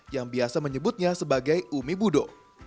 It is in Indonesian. yang biasa menyebutnya sebagai umi budo